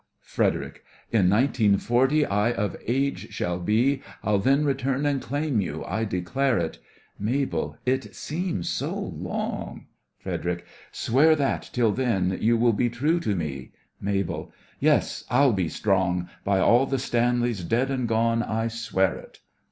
FREDERIC: In 1940 I of age shall be, I'll then return, and claim you—I declare it! MABEL: It seems so long! FREDERIC: Swear that, till then, you will be true to me. MABEL: Yes, I'll be strong! By all the Stanleys dead and gone, I swear it!